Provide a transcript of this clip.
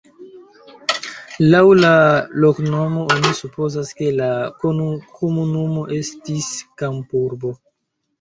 Laŭ la loknomo oni supozas, ke la komunumo estis kampurbo.